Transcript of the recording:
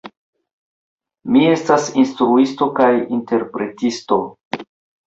Mi estas instruisto kaj interpretisto.